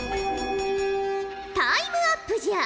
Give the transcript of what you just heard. タイムアップじゃ！